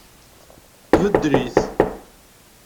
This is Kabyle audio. Beddel-it.